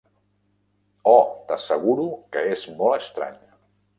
Oh, t'asseguro que és molt estrany!